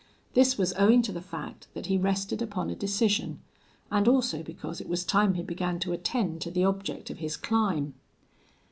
This was owing to the fact that he rested upon a decision, and also because it was time he began to attend to the object of his climb.